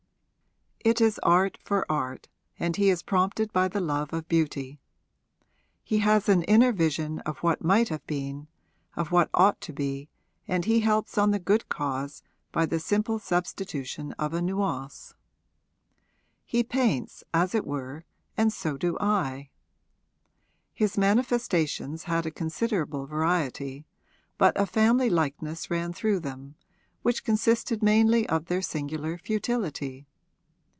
It is art for art and he is prompted by the love of beauty. He has an inner vision of what might have been, of what ought to be, and he helps on the good cause by the simple substitution of a nuance. He paints, as it were, and so do I!' His manifestations had a considerable variety, but a family likeness ran through them, which consisted mainly of their singular futility.